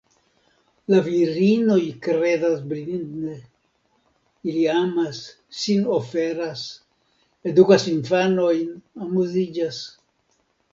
La virinoj kredas blinde; ili amas, sin oferas, edukas infanojn, amuziĝas.